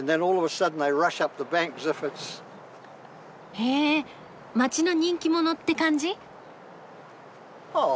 へえ街の人気者って感じ？